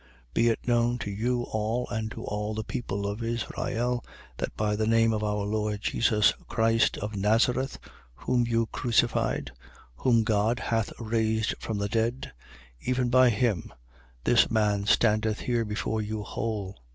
Be it known to you all and to all the people of Israel, that by the name of our Lord Jesus Christ of Nazareth, whom you crucified, whom God hath raised from the dead, even by him, this man standeth here before you, whole.